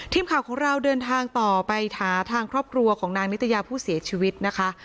ทีมข่าวของเราเดินทางต่อไปหาทางครอบครัวของนางนิตยาผู้เสียชีวิตนะคะ